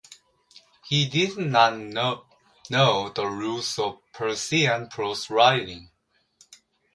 He did not know the rules of Persian prose writing.